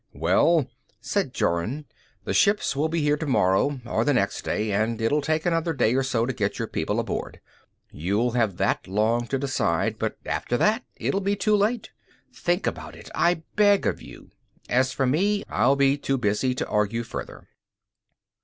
"Well," said Jorun, "the ships will be here tomorrow or the next day, and it'll take another day or so to get all your people aboard. You have that long to decide, but after that it'll be too late. Think about it, I beg of you. As for me, I'll be too busy to argue further."